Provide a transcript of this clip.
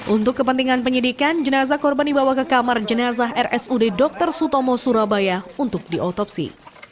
untuk kepentingan penyidikan jenazah korban dibawa ke kamar jenazah rsud dr sutomo surabaya untuk diotopsi